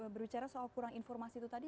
berbicara soal kurang informasi itu tadi